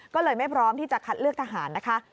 ก็เลยไม่พร้อมที่จะคัดเลือกทหารนะคะ